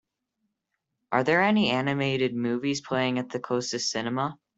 Are there any animated movies playing at the closest cinema?